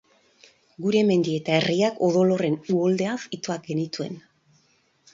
Gure mendi eta herriak odol horren uholdeaz itoak genituen.